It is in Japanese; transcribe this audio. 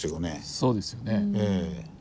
そうですよね。